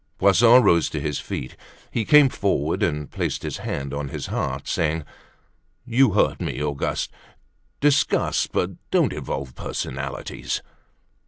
Poisson rose to his feet. He came forward and placed his hand on his heart, saying: "You hurt me, Auguste. Discuss, but don't involve personalities."